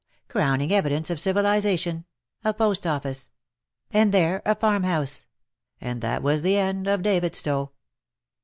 crowning evidence of civilization — a post office ; and there a farm house ; and that was the end of Davidstowe.